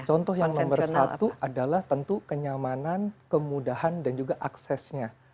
contoh yang nomor satu adalah tentu kenyamanan kemudahan dan juga aksesnya